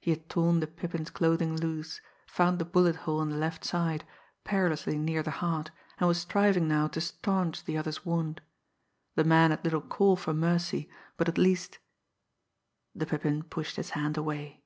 He had torn the Pippin's clothing loose, found the bullet hole in the left side, perilously near the heart, and was striving now to staunch the other's wound. The man had little call for mercy, but at least The Pippin pushed his hand away.